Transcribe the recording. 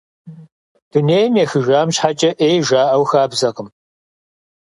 Дунейм ехыжам щхьэкӀэ Ӏей жаӀэу хабзэкъым.